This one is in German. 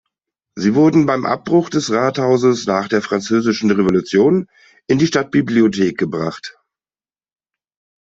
Sie wurden beim Abbruch des Rathauses nach der Französischen Revolution in die Stadtbibliothek gebracht.